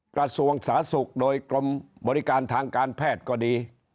กระทรวงสาธารณสุขโดยกรมบริการทางการแพทย์ก็ดี